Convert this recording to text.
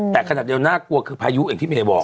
แต่ขนาดเดียวน่ากลัวคือปลายู้เหมือนที่เมรี่บอก